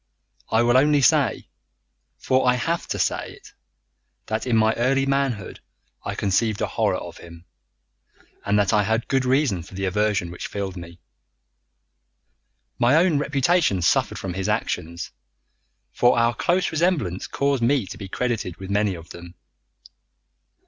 I will only say for I HAVE to say it that in my early manhood I conceived a horror of him, and that I had good reason for the aversion which filled me. My own reputation suffered from his actions, for our close resemblance caused me to be credited with many of them.